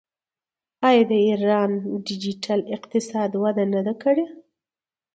آیا د ایران ډیجیټل اقتصاد وده نه ده کړې؟